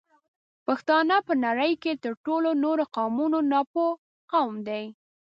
پښتانه په نړۍ کې تر ټولو نورو قومونو ناپوه قوم دی